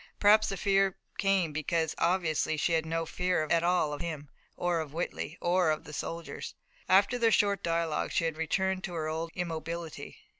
Perhaps the fear came because, obviously, she had no fear at all of him, or of Whitley or of the soldiers. After their short dialogue she had returned to her old immobility.